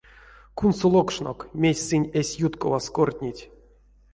Кунсолокшнок, мезть сынь эсь ютковаст кортнить.